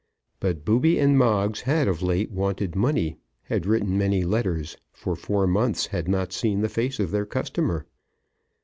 But Booby and Moggs had of late wanted money, had written many letters, and for four months had not seen the face of their customer.